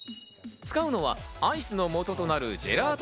使うのはアイスのもととなるジェラート